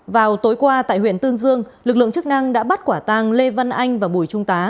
vào tối qua tại huyện tương dương lực lượng chức năng đã bắt quả tàng lê văn anh và bùi trung tá